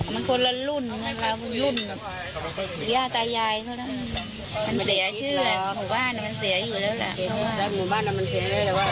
มันคนละรุ่นละรุ่นย่าตายายมันเสียชื่อหมู่บ้านมันเสียอยู่แล้วแหละ